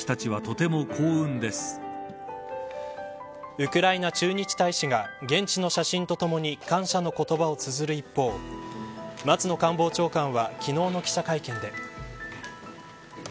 ウクライナ駐日大使が現地の写真とともに感謝の言葉をつづる一方松野官房長官は昨日の記者会見で。